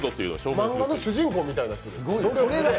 漫画の主人公みたいな方です。